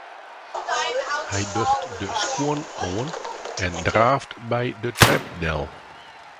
Hy docht de skuon oan en draaft by de trep del.